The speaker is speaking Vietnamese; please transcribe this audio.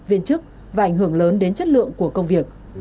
và ảnh hưởng lớn đến chất lượng của công việc